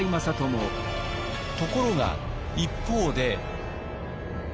ところが一方で。